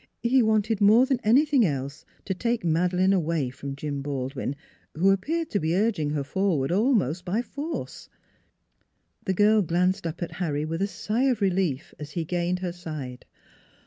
He wanted more than anything else to take Made leine away from Jim Baldwin, who appeared to be urging her forward almost by force. NEIGHBORS 265 The girl glanced up at Harry with a sigh of relief as he gained her side.